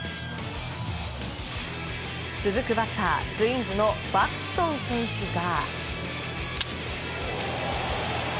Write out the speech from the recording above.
続くバッターツインズのバクストン選手が。